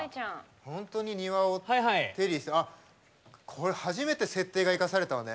これ初めて設定が生かされたわね。